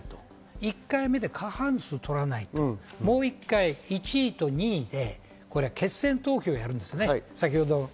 １回目で過半数を取らないともう一回、決選投票やるんですね。